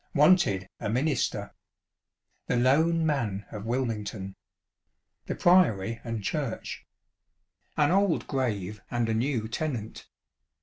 ŌĆö Wanted, a Minister. ŌĆö The Lone Man of Wilmington. ŌĆö The Priory and Church. ŌĆö An Old Grave and a New Tenant.